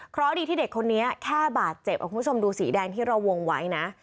เพราะดีที่เด็กคนนี้แค่บาดเจ็บคุณผู้ชมดูสีแดงที่เราวงไว้นะ